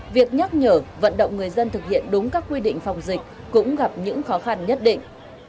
việc nhắc nhở vận động người dân thực hiện đúng các quy định phòng dịch cũng gặp những khó khăn nhất định